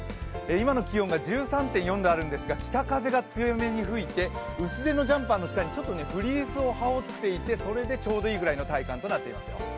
今の気温が１３．４度あるんですが、北風が強めに吹いて薄手のジャンパーにちょっとフリースを羽織っていてそれでちょうどいいくらいの体感となっていますよ。